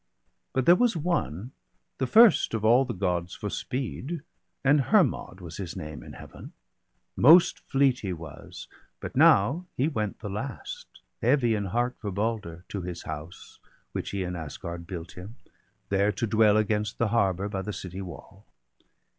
But there was one, the first of all the Gods For speed, and Hermod was his name in Heaven; Most fleet he was, but now he went the last, Heavy in heart for Balder, to his house Which he in Asgard built him, there to dwell, Against the harbour, by the city wall.